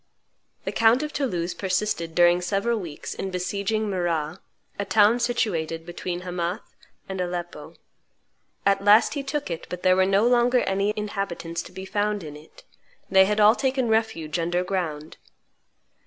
The count of Toulouse persisted during several weeks in besieging Marrah, a town situated between Hamath and Aleppo. At last he took it, but there were no longer any inhabitants to be found in it; they had all taken refuge under ground.